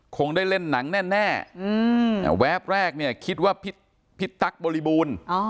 คงได้เล่นหนังแน่แวบแรกเนี่ยคิดว่าพี่ตั๊กบริบูรณ์